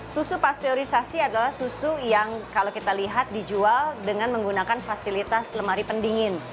susu pasteurisasi adalah susu yang kalau kita lihat dijual dengan menggunakan fasilitas lemari pendingin